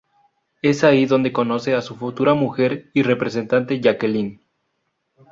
Es ahí donde conoce a su futura mujer y representante Jacqueline.